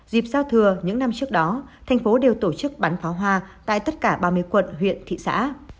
dịp giao thừa những năm trước đó thành phố đều tổ chức bắn pháo hoa tại tất cả ba mươi quận huyện thị xã